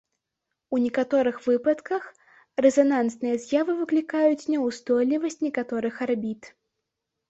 У некаторых выпадках рэзанансныя з'явы выклікаюць няўстойлівасць некаторых арбіт.